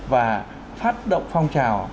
và phát động phong trào